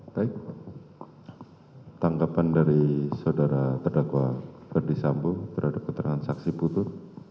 baik tanggapan dari terdakwa pd sambo berada keterangan saksi putut